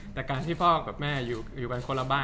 จากความไม่เข้าจันทร์ของผู้ใหญ่ของพ่อกับแม่